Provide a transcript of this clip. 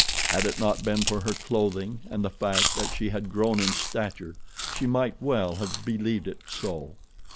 Had it not been for her clothing and the fact that she had grown in stature she might well have believed it so.